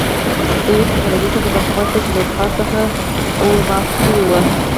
د هغې ټکنالوژۍ څخه برخمن شول چې له اروپا څخه ور ماته شوې وه.